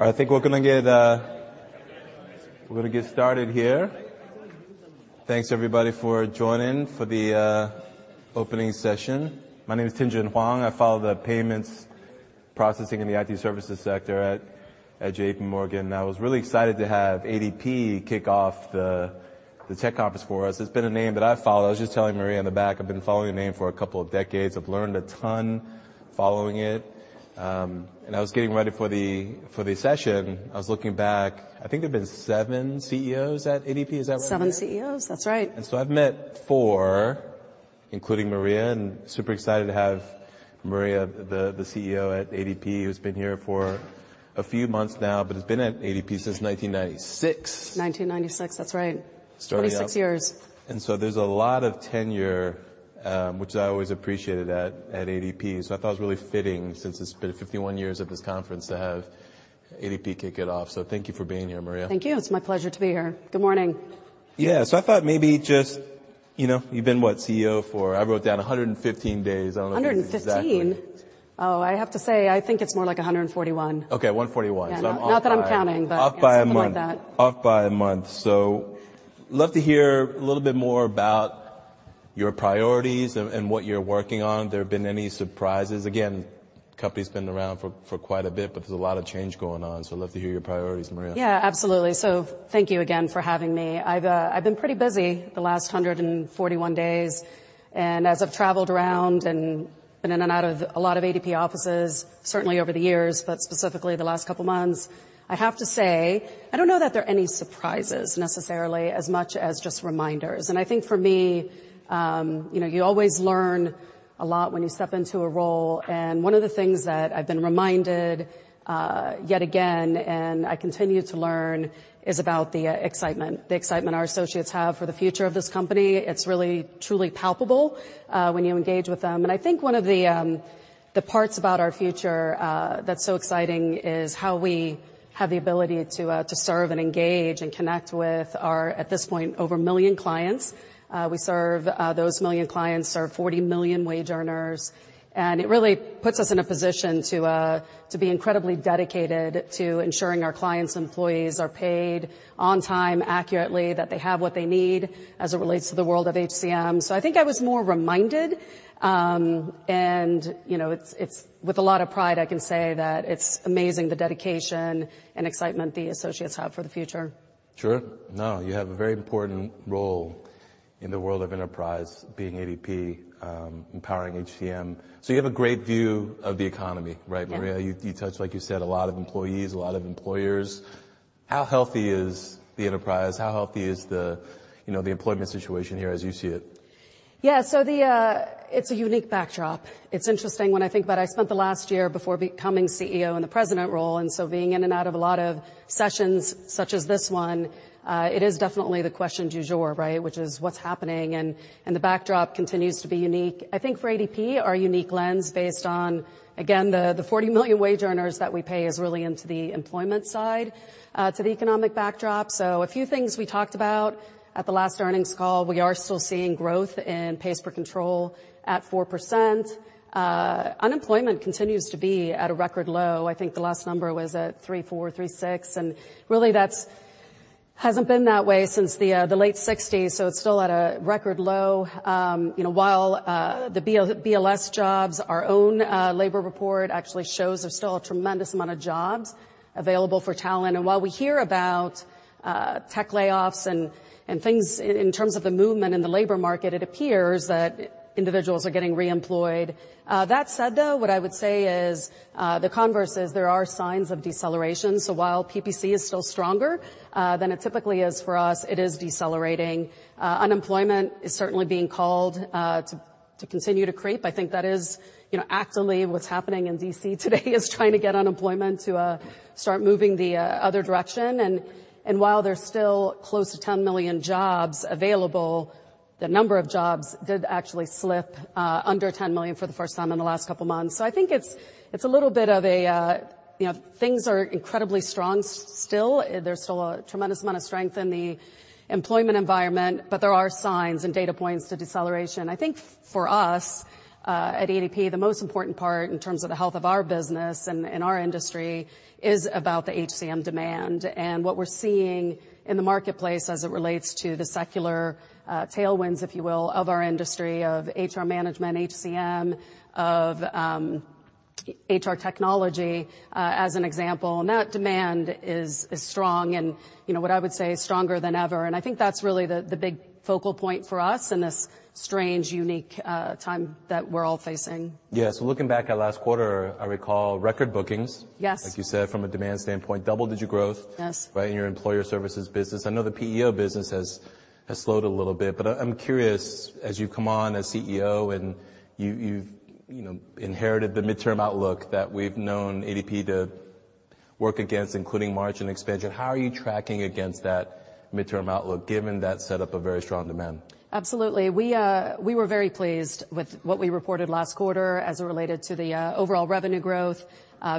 I th ink we're gonna get, we're gonna get started here. Thanks everybody for joining for the opening session. My name is Tien-Tsin Huang. I follow the payments processing and the IT services sector at J.P. Morgan. I was really excited to have ADP kick off the tech conference for us. It's been a name that I follow. I was just telling Maria in the back, I've been following your name for a couple of decades. I've learned a ton following it. I was getting ready for the session. I was looking back. I think there have been seven CEOs at ADP. Is that right? seven CEOs, that's right. I've met four, including Maria, and super excited to have Maria, the CEO at ADP, who's been here for a few months now, but has been at ADP since 1996. 1996, that's right. Starting off. 26 years. There's a lot of tenure, which I always appreciated at ADP. I thought it was really fitting since it's been 51 years of this conference to have ADP kick it off. Thank you for being here, Maria. Thank you. It's my pleasure to be here. Good morning. Yeah. I thought maybe just, you know, you've been what CEO for? I wrote down 115 days. I don't know if it's exactly- 115? Oh, I have to say, I think it's more like 141. Okay, 141. I'm off by- Not that I'm counting, but something like that. Love to hear a little bit more about your priorities and what you're working on. There have been any surprises? Again, company's been around for quite a bit, but there's a lot of change going on. I'd love to hear your priorities, Maria. Yeah, absolutely. Thank you again for having me. I've been pretty busy the last 141 days, and as I've traveled around and been in and out of a lot of ADP offices certainly over the years, but specifically the last couple months, I have to say, I don't know that there are any surprises necessarily as much as just reminders. I think for me, you know, you always learn a lot when you step into a role. One of the things that I've been reminded yet again, and I continue to learn, is about the excitement, the excitement our associates have for the future of this company. It's really truly palpable when you engage with them. I think one of the the parts about our future that's so exciting is how we have the ability to serve and engage and connect with our, at this point, over 1 million clients. We serve those 1 million clients, serve 40 million wage earners, and it really puts us in a position to be incredibly dedicated to ensuring our clients' employees are paid on time accurately, that they have what they need as it relates to the world of HCM. I think I was more reminded, and you know, it's with a lot of pride I can say that it's amazing the dedication and excitement the associates have for the future. Sure. No, you have a very important role in the world of enterprise being ADP, empowering HCM. You have a great view of the economy, right? Yeah. Maria, you touch, like you said, a lot of employees, a lot of employers. How healthy is the enterprise? How healthy is the, you know, the employment situation here as you see it? Yeah. It's a unique backdrop. It's interesting when I think about I spent the last year before becoming CEO in the president role, being in and out of a lot of sessions such as this one, it is definitely the question du jour, right? What's happening, and the backdrop continues to be unique. I think for ADP, our unique lens based on, again, the 40 million wage earners that we pay is really into the employment side to the economic backdrop. A few things we talked about at the last earnings call, we are still seeing growth in pays per control at 4%. Unemployment continues to be at a record low. I think the last number was at 3.4%, 3.6%, really that hasn't been that way since the late 1960s. So it's still at a record low. Um, you know, while, uh, the BLS jobs, our own, uh, labor report actually shows there's still a tremendous amount of jobs available for talent. And while we hear about, uh, tech layoffs and, and things in, in terms of the movement in the labor market, it appears that individuals are getting reemployed. Uh, that said, though, what I would say is, uh, the converse is there are signs of deceleration. So while PPC is still stronger, uh, than it typically is for us, it is decelerating. Uh, unemployment is certainly being called, uh, to, to continue to creep. I think that is, you know, actively what's happening in DC today is trying to get unemployment to, uh, start moving the, uh, other direction. While there's still close to 10 million jobs available, the number of jobs did actually slip under 10 million for the first time in the last couple of months. I think it's a little bit of, you know, things are incredibly strong still. There's still a tremendous amount of strength in the employment environment, but there are signs and data points to deceleration. I think for us at ADP, the most important part in terms of the health of our business and our industry is about the HCM demand and what we're seeing in the marketplace as it relates to the secular tailwinds, if you will, of our industry, of HR management, HCM, of HR technology as an example. That demand is strong and, you know, what I would say is stronger than ever. I think that's really the big focal point for us in this strange, unique time that we're all facing. Yeah. Looking back at last quarter, I recall record bookings. Yes. like you said, from a demand standpoint, double-digit growth Yes. right in your Employer Services business. I know the PEO business has slowed a little bit. I'm curious, as you've come on as CEO and you've, you know, inherited the midterm outlook that we've known ADP to work against, including margin expansion. How are you tracking against that midterm outlook, given that set up a very strong demand? Absolutely. We were very pleased with what we reported last quarter as it related to the overall revenue growth.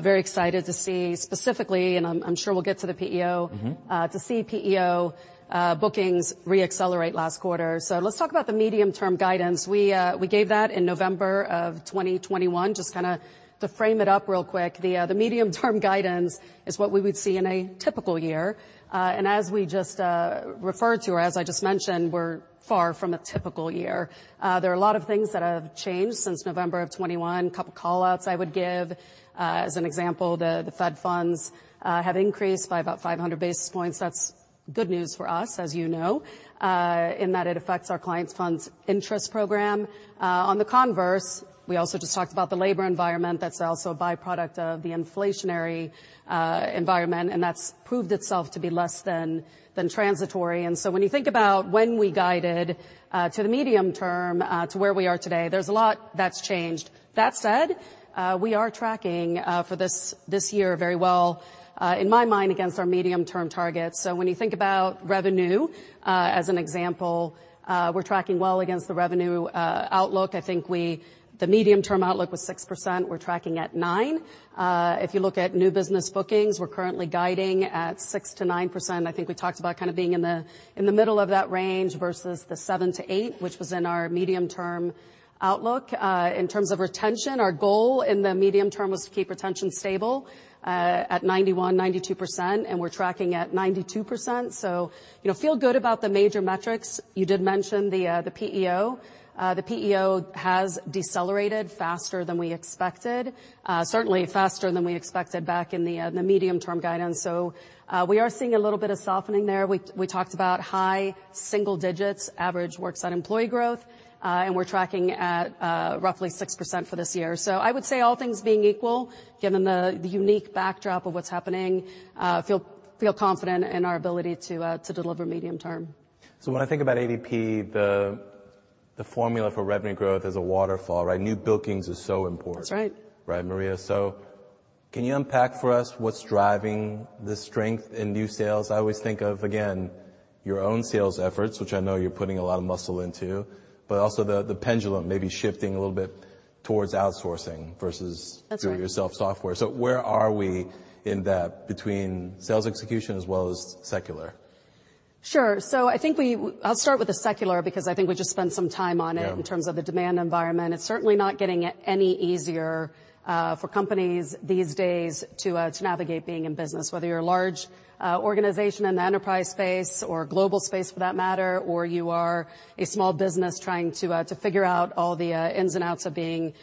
Very excited to see specifically, and I'm sure we'll get to the PEO... Mm-hmm. Uh, to see PEO, uh, bookings re-accelerate last quarter. So let's talk about the medium-term guidance. We, uh, we gave that in November of 2021. Just kinda to frame it up real quick, the, uh, the medium-term guidance is what we would see in a typical year. Uh, and as we just, uh, referred to, or as I just mentioned, we're far from a typical year. Uh, there are a lot of things that have changed since November of 2021. Couple call-outs I would give, uh, as an example, the, the Fed funds, uh, have increased by about 500 basis points. That's good news for us, as you know, uh, in that it affects our clients' funds interest program. On the converse, we also just talked about the labor environment that's also a byproduct of the inflationary environment, and that's proved itself to be less than transitory. When you think about when we guided to the medium term to where we are today, there's a lot that's changed. That said, we are tracking for this year very well in my mind, against our medium-term targets. When you think about revenue as an example, we're tracking well against the revenue outlook. I think the medium term outlook was 6%. We're tracking at 9%. If you look at new business bookings, we're currently guiding at 6%-9%. I think we talked about kind of being in the middle of that range versus the seven to eight, which was in our medium-term outlook. In terms of retention, our goal in the medium term was to keep retention stable at 91%-92%, and we're tracking at 92%. You know, feel good about the major metrics. You did mention the PEO. The PEO has decelerated faster than we expected, certainly faster than we expected back in the medium-term guidance. We are seeing a little bit of softening there. We talked about high single digits, average worksite employee growth, and we're tracking at roughly 6% for this year. I would say all things being equal, given the unique backdrop of what's happening, feel confident in our ability to deliver medium term. When I think about ADP, the formula for revenue growth is a waterfall, right? New bookings is so important. That's right. Right, Maria? Can you unpack for us what's driving the strength in new sales? I always think of, again, your own sales efforts, which I know you're putting a lot of muscle into, but also the pendulum maybe shifting a little bit towards outsourcing. That's right. do-it-yourself software. Where are we in that between sales execution as well as secular? Sure. I think I'll start with the secular because I think we just spent some time on it- Yeah. In terms of the demand environment. It's certainly not getting any easier for companies these days to navigate being in business, whether you're a large organization in the enterprise space or global space for that matter, or you are a small business trying to figure out all the ins and outs of being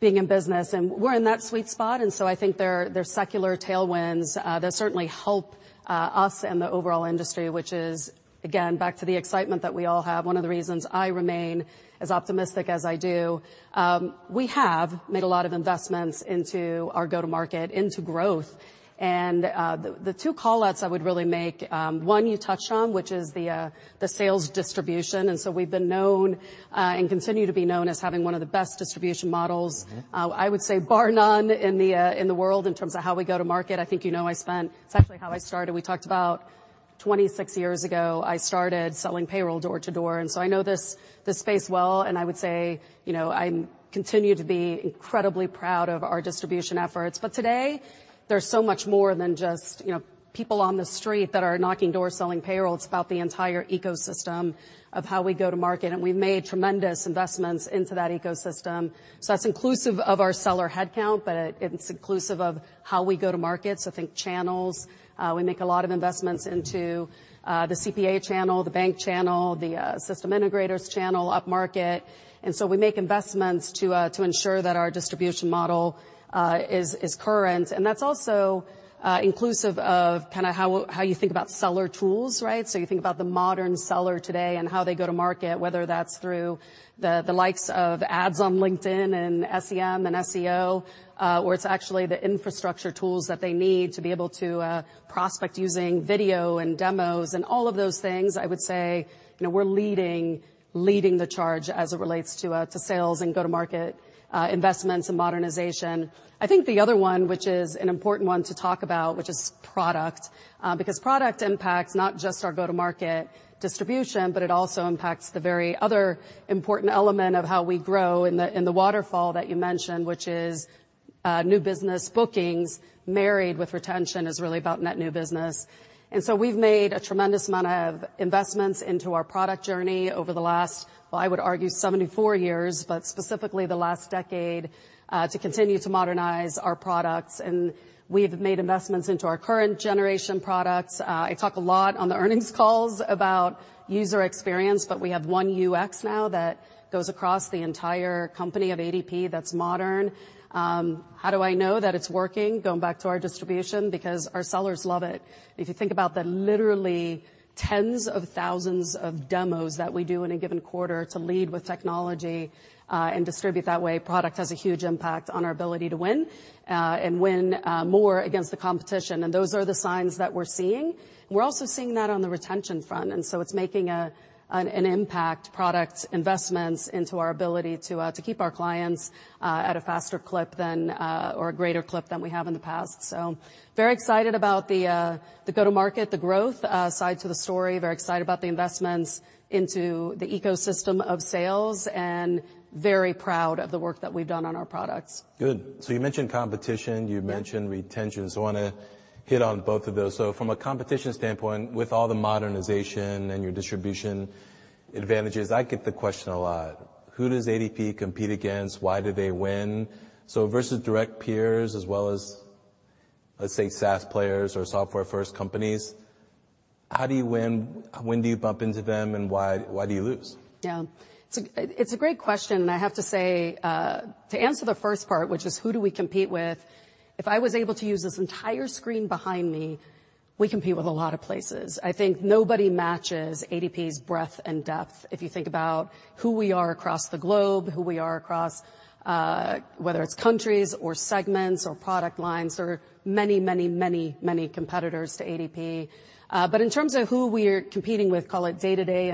in business. We're in that sweet spot. I think there are, there's secular tailwinds that certainly help us and the overall industry, which is again, back to the excitement that we all have. One of the reasons I remain as optimistic as I do, we have made a lot of investments into our go-to-market, into growth. The two call-outs I would really make, one you touched on, which is the sales distribution. We've been known, and continue to be known as having one of the best distribution models. Mm-hmm. I would say bar none in the world in terms of how we go to market. I think you know I spent. It's actually how I started. We talked about 26 years ago, I started selling payroll door to door. I know this space well, and I would say, you know, I'm continue to be incredibly proud of our distribution efforts. Today, there's so much more than just, you know, people on the street that are knocking doors, selling payroll. It's about the entire ecosystem of how we go to market. We've made tremendous investments into that ecosystem. That's inclusive of our seller headcount. It's inclusive of how we go to market. I think channels, we make a lot of investments into the CPA channel, the bank channel, the system integrators channel, up-market. We make investments to ensure that our distribution model is current. That's also inclusive of kinda how you think about seller tools, right? You think about the modern seller today and how they go to market, whether that's through the likes of ads on LinkedIn and SEM and SEO, or it's actually the infrastructure tools that they need to be able to prospect using video and demos and all of those things. I would say, you know, we're leading the charge as it relates to sales and go-to-market investments and modernization. I think the other one, which is an important one to talk about, which is product, because product impacts not just our go-to-market distribution, but it also impacts the very other important element of how we grow in the, in the waterfall that you mentioned, which is new business bookings married with retention is really about net new business. We've made a tremendous amount of investments into our product journey over the last, well, I would argue 74 years, but specifically the last decade, to continue to modernize our products. We've made investments into our current generation products. I talk a lot on the earnings calls about user experience, but we have one UX now that goes across the entire company of ADP that's modern. How do I know that it's working? Going back to our distribution, because our sellers love it. If you think about the literally tens of thousands of demos that we do in a given quarter to lead with technology, and distribute that way, product has a huge impact on our ability to win, and win, more against the competition. Those are the signs that we're seeing. We're also seeing that on the retention front, it's making an impact, product investments into our ability to keep our clients, at a faster clip than, or a greater clip than we have in the past. Very excited about the go-to-market, the growth, side to the story. Very excited about the investments into the ecosystem of sales, and very proud of the work that we've done on our products. Good. You mentioned competition. Yeah. You mentioned retention. I wanna hit on both of those. From a competition standpoint, with all the modernization and your distribution advantages, I get the question a lot: Who does ADP compete against? Why do they win? Versus direct peers as well as, let's say, SaaS players or software-first companies, how do you win? When do you bump into them, and why do you lose? Yeah. It's a great question, and I have to say, to answer the first part, which is who do we compete with, if I was able to use this entire screen behind me, we compete with a lot of places. I think nobody matches ADP's breadth and depth. If you think about who we are across the globe, who we are across, whether it's countries or segments or product lines, there are many, many, many, many competitors to ADP. But in terms of who we're competing with, call it day-to-day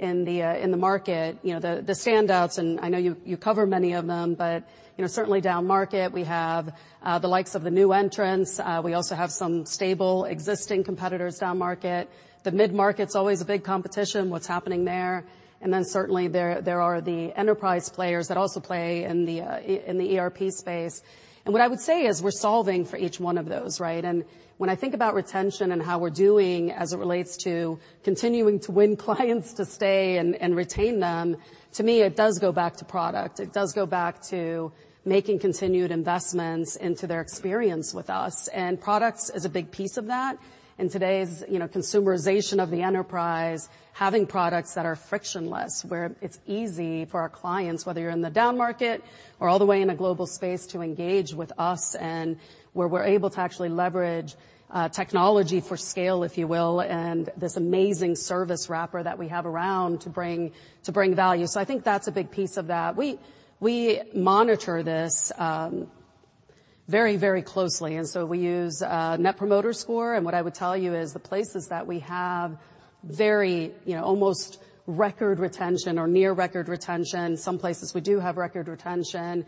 in the market, you know, the standouts, and I know you cover many of them, but, you know, certainly down-market we have the likes of the new entrants. We also have some stable existing competitors down-market. The mid-market's always a big competition, what's happening there, and then certainly there are the enterprise players that also play in the ERP space. What I would say is we're solving for each one of those, right? When I think about retention and how we're doing as it relates to continuing to win clients to stay and retain them, to me, it does go back to product. It does go back to making continued investments into their experience with us, products is a big piece of that. In today's, you know, consumerization of the enterprise, having products that are frictionless, where it's easy for our clients, whether you're in the down market or all the way in a global space, to engage with us, and where we're able to actually leverage, technology for scale, if you will, and this amazing service wrapper that we have around to bring value. I think that's a big piece of that. We monitor this, very closely, and so we use a Net Promoter Score. What I would tell you is the places that we have very, you know, almost record retention or near record retention, some places we do have record retention,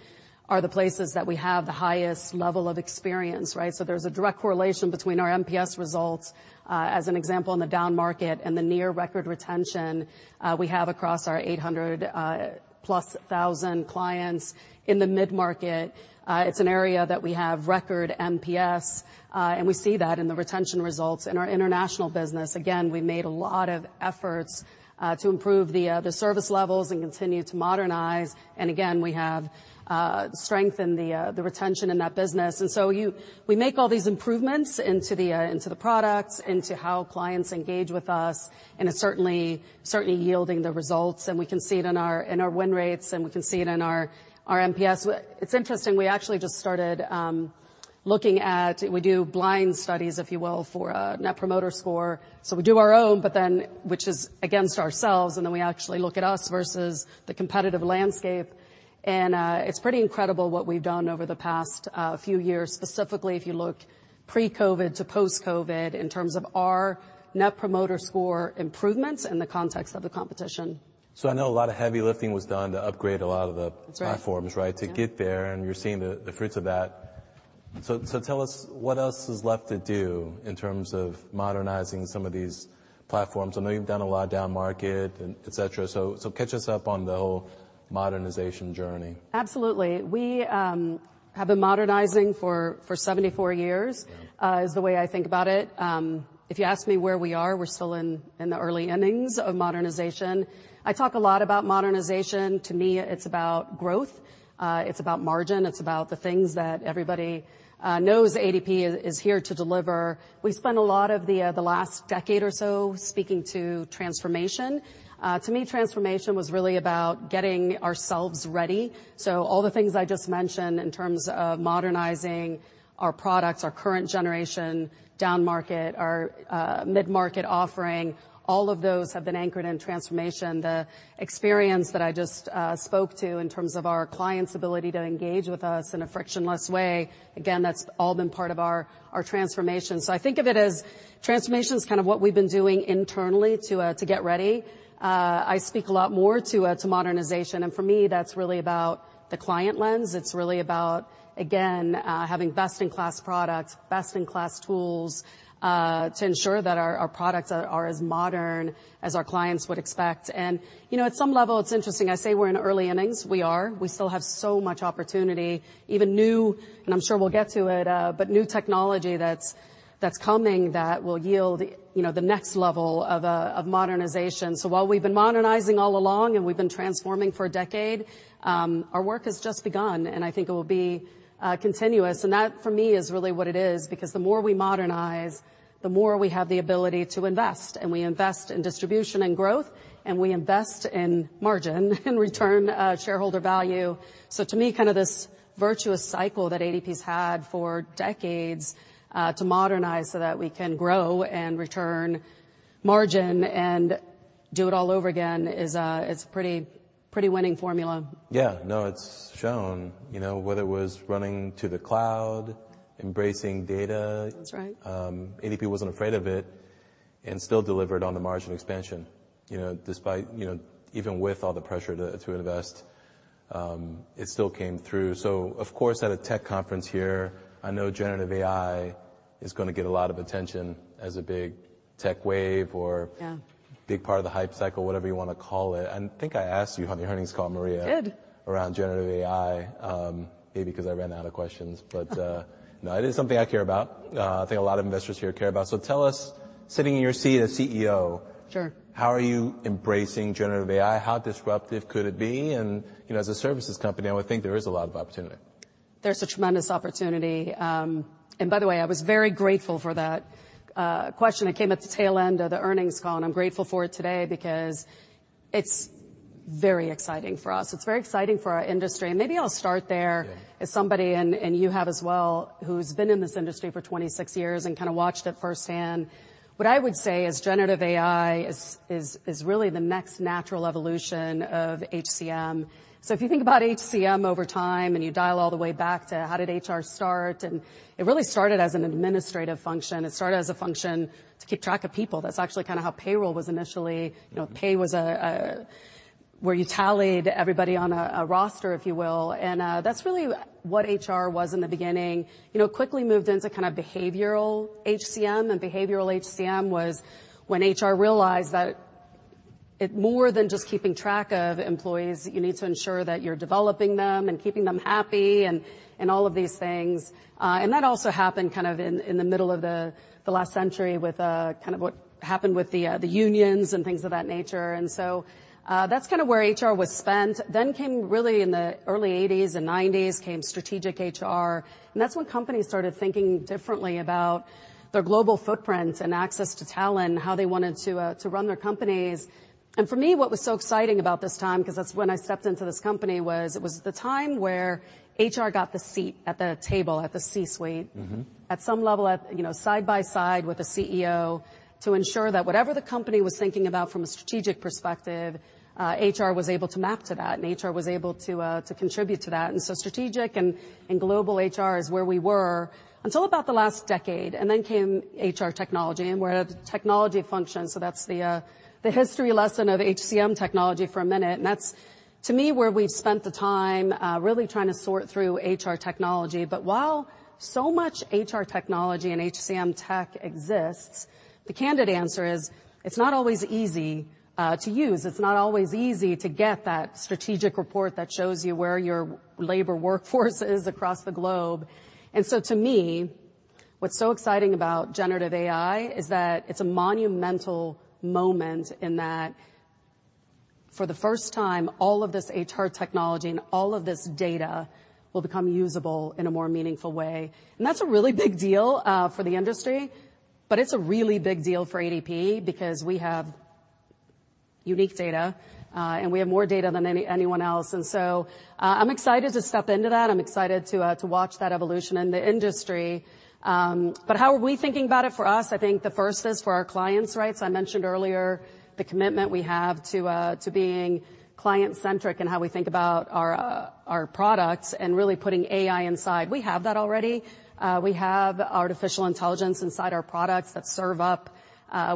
are the places that we have the highest level of experience, right? There's a direct correlation between our NPS results, as an example in the down market and the near record retention, we have across our 800,000+ clients in the mid-market. It's an area that we have record NPS, and we see that in the retention results. In our international business, again, we made a lot of efforts to improve the service levels and continue to modernize, and again, we have strengthened the retention in that business. We make all these improvements into the products, into how clients engage with us, and it's certainly yielding the results, and we can see it in our, in our win rates, and we can see it in our NPS. It's interesting, we actually just started looking at... We do blind studies, if you will, for a Net Promoter Score. We do our own, which is against ourselves, we actually look at us versus the competitive landscape. It's pretty incredible what we've done over the past few years, specifically if you look pre-COVID to post-COVID in terms of our Net Promoter Score improvements in the context of the competition. I know a lot of heavy lifting was done to upgrade a lot of the- That's right.... platforms, right? To get there, and you're seeing the fruits of that. Tell us what else is left to do in terms of modernizing some of these platforms. I know you've done a lot down-market and et cetera, catch us up on the whole modernization journey. Absolutely. We have been modernizing for 74 years. Yeah... is the way I think about it. If you ask me where we are, we're still in the early innings of modernization. I talk a lot about modernization. To me, it's about growth. It's about margin. It's about the things that everybody knows ADP is here to deliver. We spent a lot of the last decade or so speaking to transformation. To me transformation was really about getting ourselves ready. All the things I just mentioned in terms of modernizing our products, our current generation, down-market, our mid-market offering, all of those have been anchored in transformation. The experience that I just spoke to in terms of our clients' ability to engage with us in a frictionless way, again, that's all been part of our transformation. I think of it as transformation's kind of what we've been doing internally to get ready. I speak a lot more to modernization, and for me, that's really about the client lens. It's really about, again, having best-in-class products, best-in-class tools, to ensure that our products are as modern as our clients would expect. You know, at some level, it's interesting. I say we're in early innings. We are. We still have so much opportunity, even new, and I'm sure we'll get to it, but new technology that's coming that will yield, you know, the next level of modernization. While we've been modernizing all along and we've been transforming for a decade, our work has just begun, and I think it will be continuous. That, for me, is really what it is, because the more we modernize, the more we have the ability to invest. We invest in distribution and growth, and we invest in margin and return shareholder value. To me, kind of this virtuous cycle that ADP's had for decades to modernize so that we can grow and return margin and do it all over again is, it's pretty winning formula. Yeah. No, it's shown. You know, whether it was running to the cloud, embracing data- That's right. ADP wasn't afraid of it and still delivered on the margin expansion. You know, despite even with all the pressure to invest, it still came through. Of course, at a tech conference here, I know generative AI is gonna get a lot of attention as a big tech wave. Yeah big part of the hype cycle, whatever you wanna call it. I think I asked you on the earnings call, Maria. You did.... around generative AI, maybe 'cause I ran out of questions. No, it is something I care about, I think a lot of investors here care about. Tell us, sitting in your seat as CEO- Sure... how are you embracing generative AI? How disruptive could it be? You know, as a services company, I would think there is a lot of opportunity. There's a tremendous opportunity. By the way, I was very grateful for that question that came at the tail end of the earnings call, and I'm grateful for it today because it's very exciting for us. It's very exciting for our industry. Maybe I'll start there. Yeah as somebody, and you have as well, who's been in this industry for 26 years and kinda watched it firsthand. What I would say is generative AI is really the next natural evolution of HCM. If you think about HCM over time, you dial all the way back to how did HR start, it really started as an administrative function. It started as a function to keep track of people. That's actually kinda how payroll was initially. Mm-hmm. You know, pay was a where you tallied everybody on a roster, if you will. That's really what HR was in the beginning. You know, quickly moved into kind of behavioral HCM. Behavioral HCM was when HR realized that it more than just keeping track of employees, you need to ensure that you're developing them and keeping them happy and all of these things. That also happened kind of in the middle of the last century with kind of what happened with the unions and things of that nature. That's kinda where HR was spent. Came, really in the early 1980s and 1990s, came strategic HR, and that's when companies started thinking differently about their global footprint and access to talent and how they wanted to run their companies. For me, what was so exciting about this time, 'cause that's when I stepped into this company, was it was the time where HR got the seat at the table, at the C-suite. Mm-hmm. At some level, at, you know, side by side with the CEO to ensure that whatever the company was thinking about from a strategic perspective, HR was able to map to that, and HR was able to contribute to that. Strategic and global HR is where we were until about the last decade, and then came HR technology and we're the technology function. That's the history lesson of HCM technology for a minute. That's, to me, where we've spent the time really trying to sort through HR technology. While so much HR technology and HCM tech exists, the candid answer is, it's not always easy to use. It's not always easy to get that strategic report that shows you where your labor workforce is across the globe. To me, what's so exciting about generative AI is that it's a monumental moment in that for the first time, all of this HR technology and all of this data will become usable in a more meaningful way. That's a really big deal for the industry, but it's a really big deal for ADP because we have unique data and we have more data than anyone else. I'm excited to step into that. I'm excited to watch that evolution in the industry. How are we thinking about it for us? I think the first is for our clients, right? I mentioned earlier the commitment we have to being client-centric in how we think about our products and really putting AI inside. We have that already. we have artificial intelligence inside our products that serve up,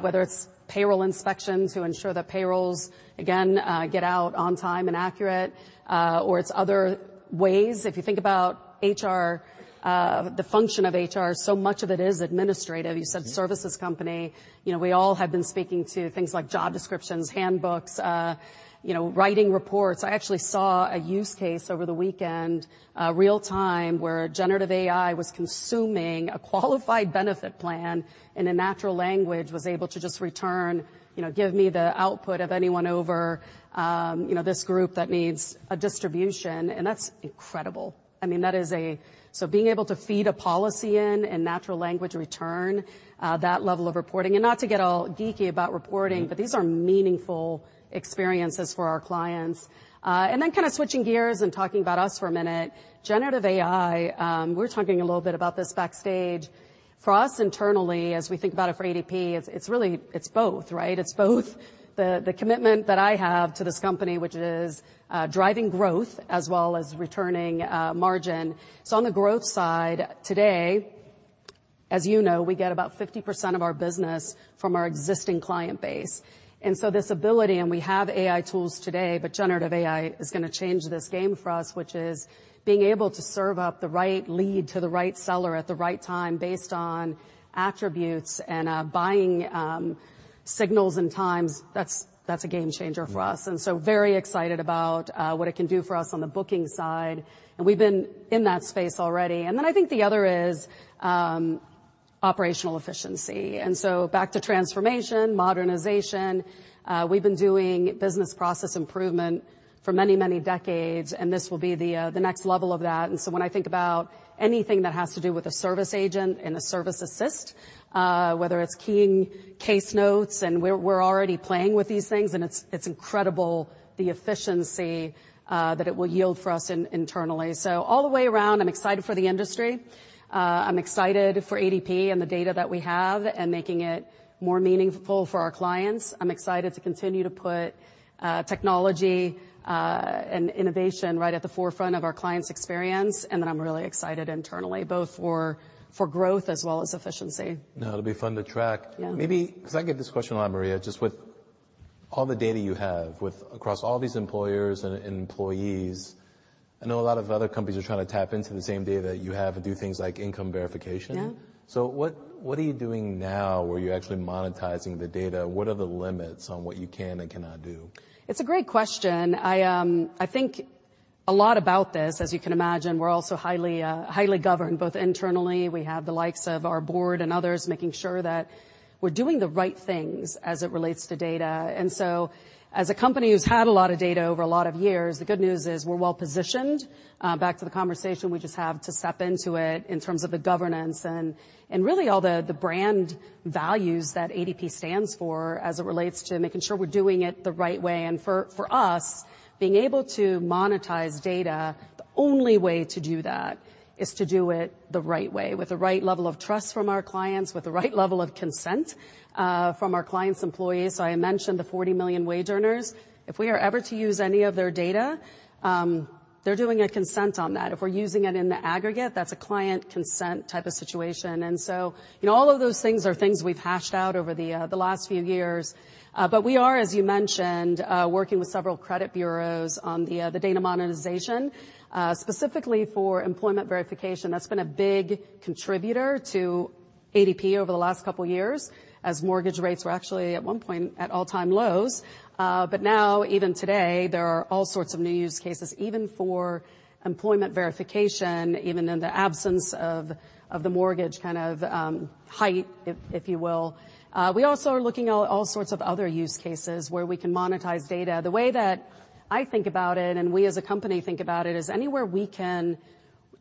whether it's payroll specialists who ensure that payrolls, again, get out on time and accurate, or it's other ways. If you think about HR, the function of HR, so much of it is administrative. Mm-hmm. You said services company. You know, we all have been speaking to things like job descriptions, handbooks, you know, writing reports. I actually saw a use case over the weekend, real-time, where generative AI was consuming a qualified benefit plan, and a natural language was able to just return, you know, give me the output of anyone over, you know, this group that needs a distribution, and that's incredible. I mean, that is So being able to feed a policy in and natural language return that level of reporting. Not to get all geeky about reporting- Mm These are meaningful experiences for our clients. Kinda switching gears and talking about us for a minute, generative AI, we were talking a little bit about this backstage. For us internally, as we think about it for ADP, it's really, it's both, right? It's both the commitment that I have to this company, which is driving growth as well as returning margin. On the growth side, today, as you know, we get about 50% of our business from our existing client base. This ability, and we have AI tools today, but generative AI is gonna change this game for us, which is being able to serve up the right lead to the right seller at the right time based on attributes and buying signals and times. That's a game changer for us. Mm. Very excited about what it can do for us on the booking side, and we've been in that space already. I think the other is operational efficiency. Back to transformation, modernization, we've been doing business process improvement for many, many decades, and this will be the next level of that. When I think about anything that has to do with a service agent and a service assist, whether it's keying case notes, and we're already playing with these things, and it's incredible the efficiency that it will yield for us in-internally. All the way around, I'm excited for the industry. I'm excited for ADP and the data that we have and making it more meaningful for our clients. I'm excited to continue to put technology and innovation right at the forefront of our client's experience, and then I'm really excited internally both for growth as well as efficiency. No, it'll be fun to track. Yeah. Maybe, 'cause I get this question a lot, Maria, just All the data you have across all these employers and employees, I know a lot of other companies are trying to tap into the same data that you have and do things like income verification. Yeah. What are you doing now where you're actually monetizing the data? What are the limits on what you can and cannot do? It's a great question. I think a lot about this, as you can imagine. We're also highly governed, both internally, we have the likes of our board and others making sure that we're doing the right things as it relates to data. As a company who's had a lot of data over a lot of years, the good news is we're well-positioned. Back to the conversation, we just have to step into it in terms of the governance and really all the brand values that ADP stands for as it relates to making sure we're doing it the right way. For us, being able to monetize data, the only way to do that is to do it the right way with the right level of trust from our clients, with the right level of consent from our clients' employees. I mentioned the 40 million wage earners. If we are ever to use any of their data, they're doing a consent on that. If we're using it in the aggregate, that's a client consent type of situation. You know, all of those things are things we've hashed out over the last few years. We are, as you mentioned, working with several credit bureaus on the data monetization, specifically for employment verification. That's been a big contributor to ADP over the last couple of years as mortgage rates were actually at one point at all-time lows. Now even today, there are all sorts of new use cases, even for employment verification, even in the absence of the mortgage kind of height, if you will. We also are looking at all sorts of other use cases where we can monetize data. The way that I think about it, and we as a company think about it, is anywhere we can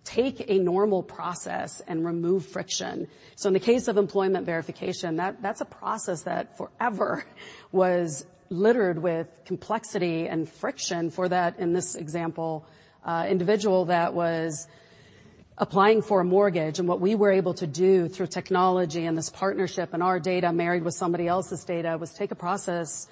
take a normal process and remove friction. In the case of employment verification, that's a process that forever was littered with complexity and friction for that, in this example, individual that was applying for a mortgage. What we were able to do through technology and this partnership and our data married with somebody else's data, was take a process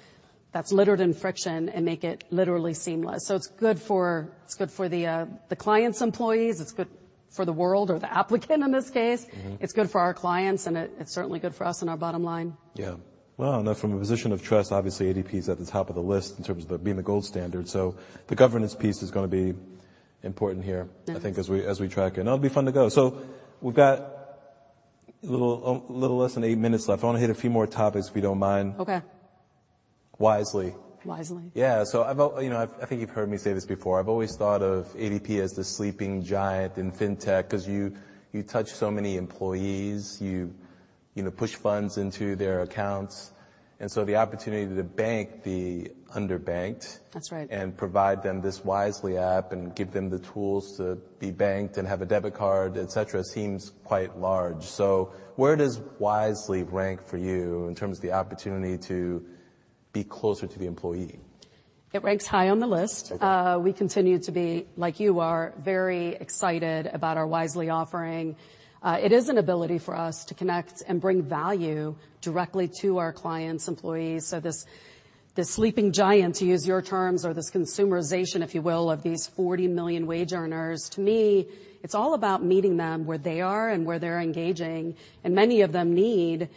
that's littered in friction and make it literally seamless. It's good for, it's good for the client's employees, it's good for the world or the applicant in this case. Mm-hmm. It's good for our clients, and it's certainly good for us and our bottom line. Yeah. Well, now from a position of trust, obviously ADP is at the top of the list in terms of being the gold standard. The governance piece is gonna be important here. Yes... I think as we track it. It'll be fun to go. We've got a little, a little less than eight minutes left. I wanna hit a few more topics, if you don't mind. Okay. Wisely. Wisely. Yeah. I've you know, I think you've heard me say this before. I've always thought of ADP as the sleeping giant in fintech 'cause you touch so many employees, you know, push funds into their accounts. the opportunity to bank the underbanked- That's right.... and provide them this Wisely app and give them the tools to be banked and have a debit card, et cetera, seems quite large. Where does Wisely rank for you in terms of the opportunity to be closer to the employee? It ranks high on the list. Okay. We continue to be, like you are, very excited about our Wisely offering. It is an ability for us to connect and bring value directly to our clients' employees. This sleeping giant, to use your terms, or this consumerization, if you will, of these 40 million wage earners, to me, it's all about meeting them where they are and where they're engaging. In the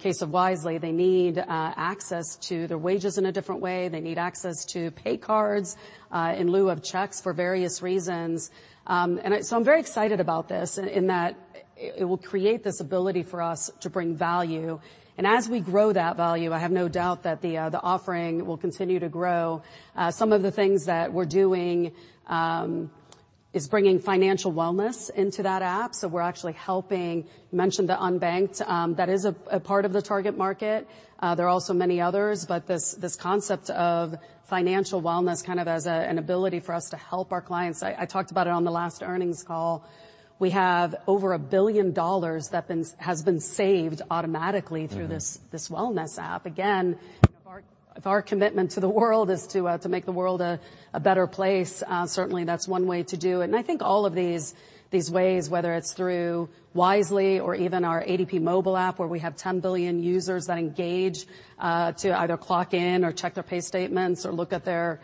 case of Wisely, they need access to their wages in a different way. They need access to pay cards in lieu of checks for various reasons. I'm very excited about this in that it will create this ability for us to bring value. As we grow that value, I have no doubt that the offering will continue to grow. Some of the things that we're doing is bringing financial wellness into that app. We're actually helping... You mentioned the unbanked. That is a part of the target market. There are also many others. This concept of financial wellness kind of as an ability for us to help our clients. I talked about it on the last earnings call. We have over $1 billion has been saved automatically. Mm-hmm... through this wellness app. Again, our commitment to the world is to make the world a better place. Certainly, that's one way to do it. I think all of these ways, whether it's through Wisely or even our ADP Mobile Solutions, where we have 10 billion users that engage to either clock in or check their pay statements or look at their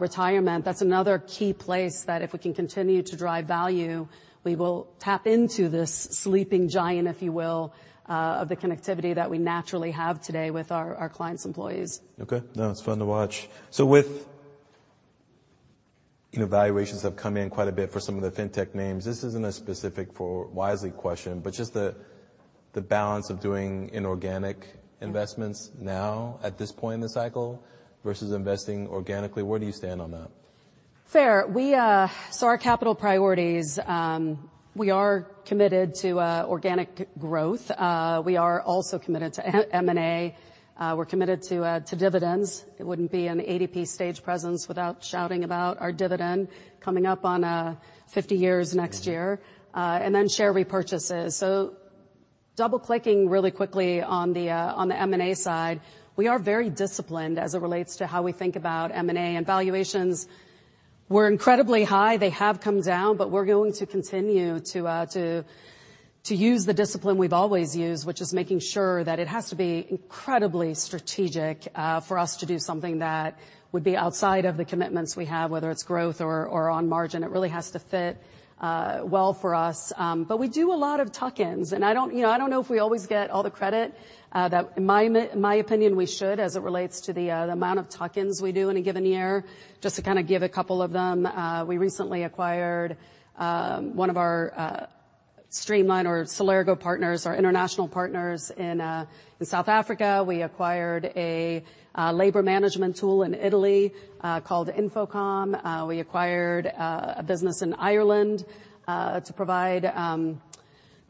retirement, that's another key place that if we can continue to drive value, we will tap into this sleeping giant, if you will, of the connectivity that we naturally have today with our clients' employees. No, it's fun to watch. With, you know, valuations have come in quite a bit for some of the fintech names, this isn't a specific for Wisely question, but just the balance of doing inorganic investments now at this point in the cycle versus investing organically, where do you stand on that? Fair. Our capital priorities, we are committed to organic growth. We are also committed to M&A. We're committed to to dividends. It wouldn't be an ADP stage presence without shouting about our dividend coming up on 50 years next year. Mm-hmm. Share repurchases. Double-clicking really quickly on the M&A side, we are very disciplined as it relates to how we think about M&A. Valuations were incredibly high. They have come down. We're going to continue to To use the discipline we've always used, which is making sure that it has to be incredibly strategic for us to do something that would be outside of the commitments we have, whether it's growth or on margin. It really has to fit well for us. We do a lot of tuck-ins, and I don't, you know, I don't know if we always get all the credit that in my opinion, we should, as it relates to the amount of tuck-ins we do in a given year. Just to kinda give a couple of them, we recently acquired one of our Streamline or Solergo partners, our international partners in South Africa. We acquired a labor management tool in Italy, called Infocom. We acquired a business in Ireland to provide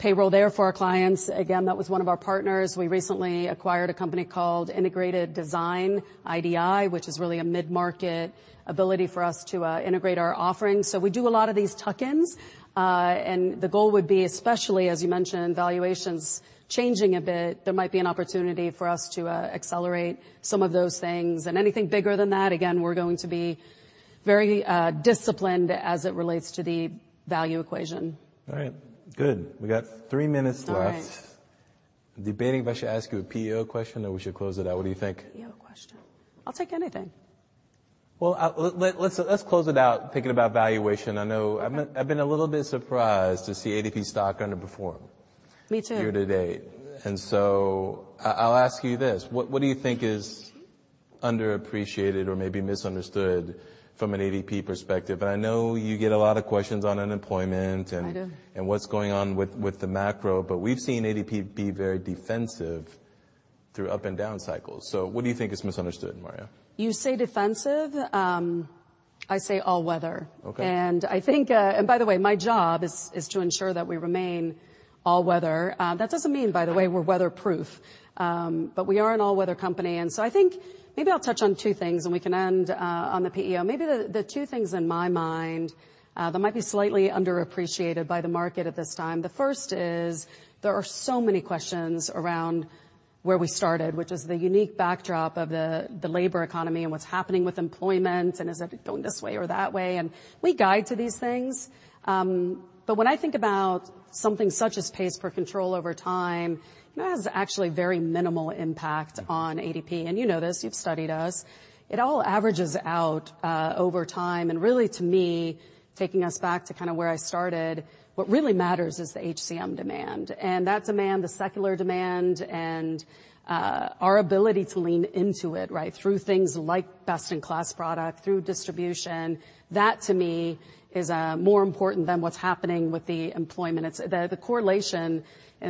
payroll there for our clients. Again, that was one of our partners. We recently acquired a company called Integrated Design, IDI, which is really a mid-market ability for us to integrate our offerings. We do a lot of these tuck-ins, and the goal would be, especially as you mentioned, valuations changing a bit, there might be an opportunity for us to accelerate some of those things. Anything bigger than that, again, we're going to be very disciplined as it relates to the value equation. All right. Good. We got three minutes left. All right. Debating if I should ask you a PEO question or we should close it out. What do you think? PEO question. I'll take anything. Well, let's close it out thinking about valuation. I know I've been a little bit surprised to see ADP stock underperform. Me too. year to date. I'll ask you this. What do you think is underappreciated or maybe misunderstood from an ADP perspective? I know you get a lot of questions on unemployment and. I do.... and what's going on with the macro, but we've seen ADP be very defensive through up and down cycles. What do you think is misunderstood, Maria? You say defensive, I say all weather. Okay. I think, by the way, my job is to ensure that we remain all weather. That doesn't mean, by the way, we're weatherproof, but we are an all-weather company. I think maybe I'll touch on two things, and we can end on the PEO. Maybe the two things in my mind that might be slightly underappreciated by the market at this time. The first is there are so many questions around where we started, which is the unique backdrop of the labor economy and what's happening with employment, and is it going this way or that way? We guide to these things. When I think about something such as pays per control over time, it has actually very minimal impact on ADP. You know this. You've studied us. It all averages out over time. Really, to me, taking us back to kinda where I started, what really matters is the HCM demand. That demand, the secular demand and our ability to lean into it, right, through things like best-in-class product, through distribution, that to me is more important than what's happening with the employment. It's the correlation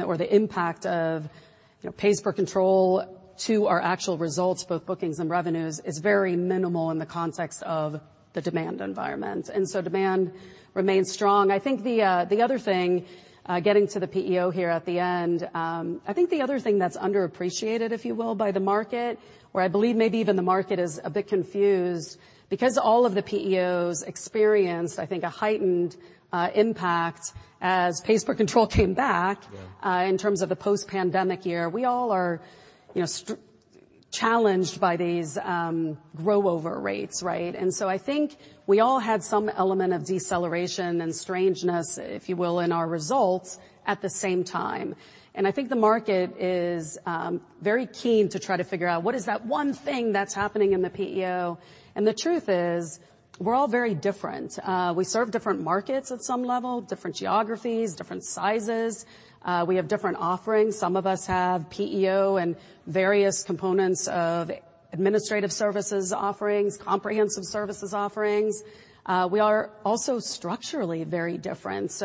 or the impact of, you know, pays per control to our actual results, both bookings and revenues, is very minimal in the context of the demand environment. Demand remains strong. I think the other thing, getting to the PEO here at the end, I think the other thing that's underappreciated, if you will, by the market or I believe maybe even the market is a bit confused because all of the PEOs experienced, I think, a heightened impact as pays per control came back. Yeah... in terms of the post-pandemic year. We all are, you know, challenged by these grow over rates, right? I think we all had some element of deceleration and strangeness, if you will, in our results at the same time. I think the market is very keen to try to figure out what is that one thing that's happening in the PEO. The truth is, we're all very different. We serve different markets at some level, different geographies, different sizes. We have different offerings. Some of us have PEO and various components of administrative services offerings, Comprehensive Services offerings. We are also structurally very different.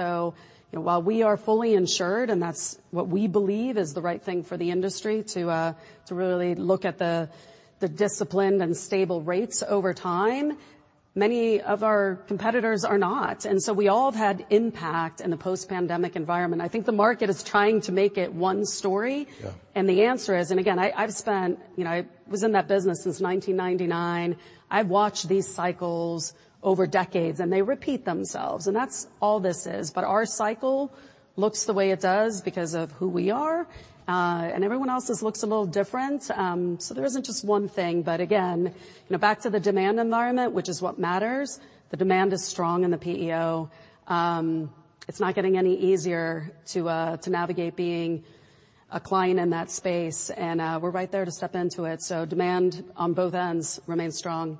You know, while we are fully insured, and that's what we believe is the right thing for the industry to really look at the disciplined and stable rates over time, many of our competitors are not. We all have had impact in the post-pandemic environment. I think the market is trying to make it one story. Yeah. The answer is... Again, I've spent... You know, I was in that business since 1999. I've watched these cycles over decades, and they repeat themselves, and that's all this is. Our cycle looks the way it does because of who we are, and everyone else's looks a little different. There isn't just one thing. Again, you know, back to the demand environment, which is what matters, the demand is strong in the PEO. It's not getting any easier to navigate being a client in that space, and we're right there to step into it. Demand on both ends remains strong.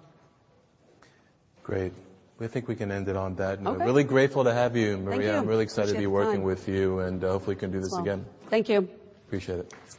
Great. I think we can end it on that note. Okay. I'm really grateful to have you, Maria. Thank you. I'm really excited to be working with you, and hopefully we can do this again. Thank you. Appreciate it.